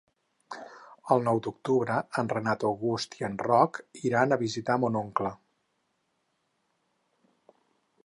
El nou d'octubre en Renat August i en Roc iran a visitar mon oncle.